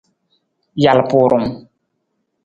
Jalpurung.